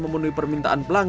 jelang lebaran jasa sewap kering